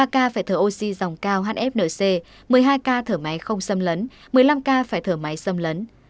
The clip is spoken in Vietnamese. ba ca phải thở oxy dòng cao hfnc một mươi hai ca thở máy không xâm lấn một mươi năm ca phải thở máy xâm lấn